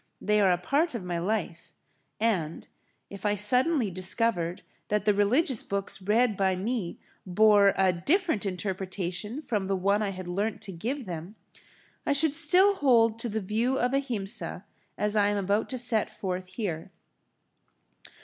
They are a part of my life, and, if I suddenly discovered that the religious books read by me bore a different interpretation from the one I had learnt to give them, I should still hold to the view of Ahimsa as I am about to set forth here.